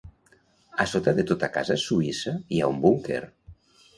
A sota de tota casa suïssa, hi ha un búnquer.